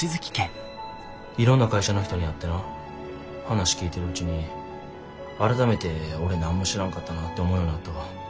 いろんな会社の人に会ってな話聞いてるうちに改めて俺何も知らんかったなって思うようになったわ。